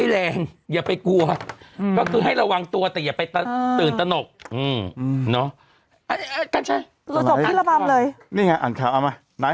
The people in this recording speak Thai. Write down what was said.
เอ๊ะเอ๊ะกัญชัยอันทรัพย์เอามานี่ไงอันทรัพย์เอามา